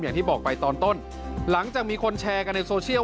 อย่างที่บอกไปตอนต้นหลังจากมีคนแชร์กันในโซเชียล